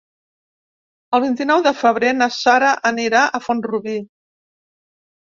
El vint-i-nou de febrer na Sara anirà a Font-rubí.